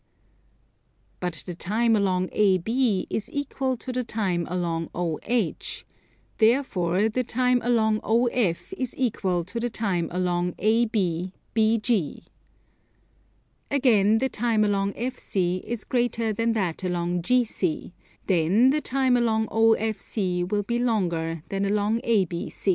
But the time along AB is equal to the time along OH; therefore the time along OF is equal to the time along AB, BG. Again the time along FC is greater than that along GC; then the time along OFC will be longer than that along ABC.